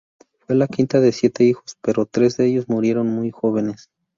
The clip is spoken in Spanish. Fue la quinta de siete hijos, pero tres de ellos murieron muy jóvenes.